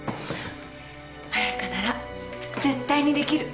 彩香なら絶対にできる。